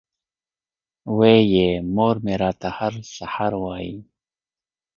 وې ئې مور مې راته هر سحر وائي ـ